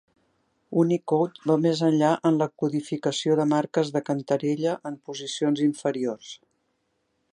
Unicode va més enllà en la codificació de marques de cantarella en posicions inferiors.